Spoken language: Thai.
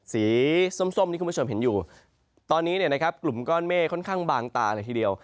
สีส้มที่คุณผู้ชมเห็นอยู่ตอนนี้เนี่ยนะครับกลุ่มก้อนเมฆค่อนข้างบางตาเลยทีเดียว